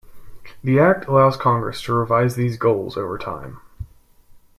The Act allows Congress to revise these goals over time.